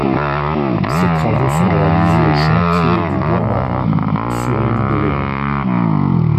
Ces travaux sont réalisés au Chantier du Bois Marin sur l'île d'Oléron.